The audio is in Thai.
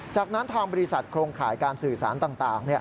จากนั้นทางบริษัทโครงข่ายการสื่อสารต่าง